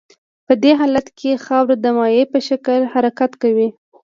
په دې حالت کې خاوره د مایع په شکل حرکت کوي